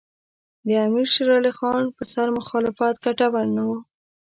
د امیر شېر علي خان پر سر مخالفت ګټور نه وو.